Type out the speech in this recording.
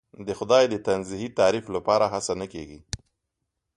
د خدای د تنزیهی تعریف لپاره هڅه نه کېږي.